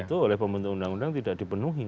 dan itu oleh pembentukan undang undang tidak dipenuhi